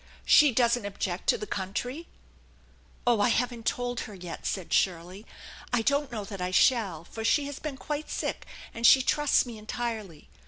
" She doesn't object to the country ?"" Oh, I haven't told her yet," said Shirley. I don't know that I shall; for she has been quite sick, and she trusts me entirely.